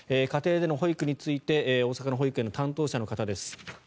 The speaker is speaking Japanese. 家庭での保育について大阪の保育の担当者の方です。